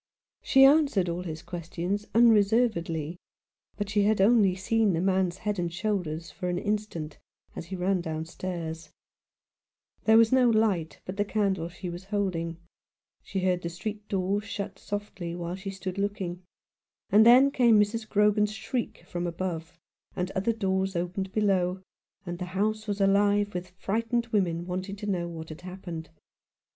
She answered all his questions unreservedly; but she had only seen the man's head and shoulders for an instant, as he ran downstairs. There was no ioo At Number Thirteen, Dynevor Street. light but the candle she was holding. She heard the street door shut softly while she stood looking ; and then came Mrs. Grogan's shriek from above, and other doors opened below, and the house was alive with frightened women wanting to know what had happened.